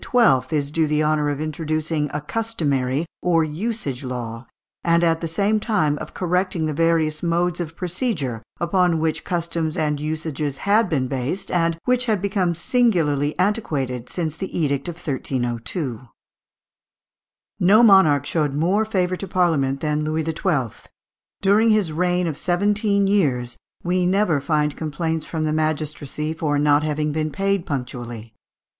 is due the honour of introducing a customary or usage law, and at the same time of correcting the various modes of procedure, upon which customs and usages had been based, and which had become singularly antiquated since the edict of 1302. No monarch showed more favour to Parliament than Louis XII. During his reign of seventeen years we never find complaints from the magistracy for not having been paid punctually.